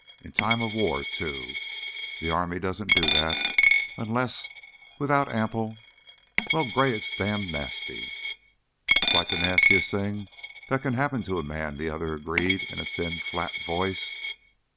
In time of war, too! The army doesn't do that unless without ample Well, Gray, it's damned nasty!" "Quite the nastiest thing that can happen to a man," the other agreed in a thin, flat voice.